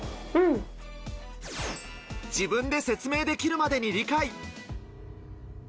自分で説明できるまでに理解。